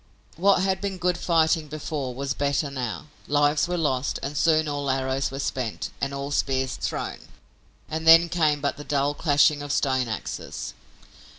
What had been good fighting before was better now. Lives were lost, and soon all arrows were spent and all spears thrown, and then came but the dull clashing of stone axes.